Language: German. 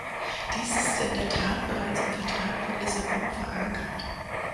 Dies ist in der Tat bereits im Vertrag von Lissabon verankert.